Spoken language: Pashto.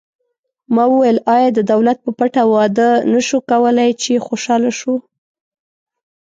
ما وویل: آیا د دولت په پټه واده نه شو کولای، چې خوشحاله شو؟